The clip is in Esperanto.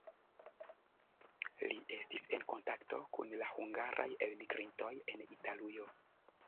Li estis en kontakto kun la hungaraj elmigrintoj en Italujo.